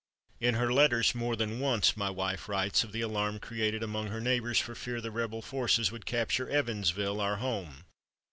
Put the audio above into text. In her letters more than once my wife writes of the alarm created among her neighbors for fear the rebel forces would capture Evansville, our home.